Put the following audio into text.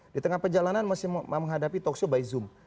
di tengah perjalanan masih menghadapi talkshow by zoom